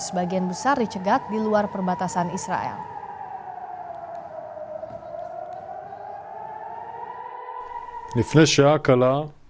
sebagian besar dicegat di luar perbatasan israel